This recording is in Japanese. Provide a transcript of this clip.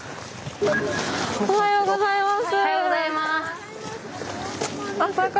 おはようございます。